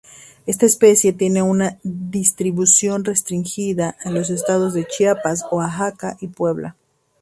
Esta especie tiene una distribución restringida a los estados de Chiapas, Oaxaca y Puebla.